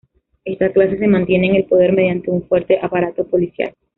Esta clase se mantiene en el poder mediante un fuerte aparato policial.